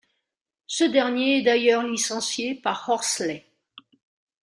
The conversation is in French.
Ce dernier est d'ailleurs licencié par Horsley.